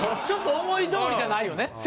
ちょっと思い通りじゃないよね。